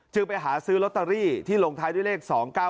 ไปหาซื้อลอตเตอรี่ที่ลงท้ายด้วยเลข๒๙๙